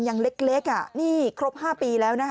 ยังเล็กเล็กอ่ะนี่ครบ๕ปีแล้ว